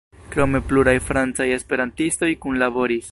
Krome pluraj francaj esperantistoj kunlaboris.